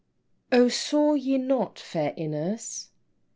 O Saw ye not fair Ines?